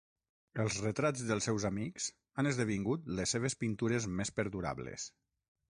Els retrats dels seus amics han esdevingut les seves pintures més perdurables.